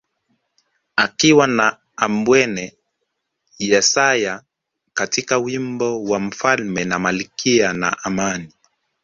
Akiwa na Ambwene Yesaya katika wimbo wa mfalme na malkia na Amani